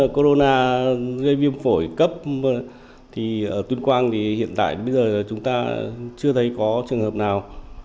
corona gây viêm phổi cấp thì ở tuyên quang thì hiện tại bây giờ chúng ta chưa thấy có trường hợp nào